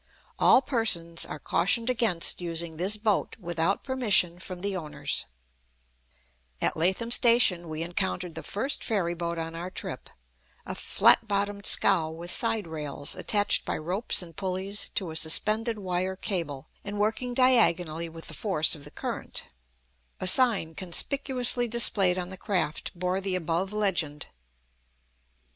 |||| All persons || Are cautioned || Againts useing || this Boat with Out || Permistion from || the Owners ||____________________________________| At Latham Station we encountered the first ferry boat on our trip, a flat bottomed scow with side rails, attached by ropes and pulleys to a suspended wire cable, and working diagonally, with the force of the current. A sign conspicuously displayed on the craft bore the above legend.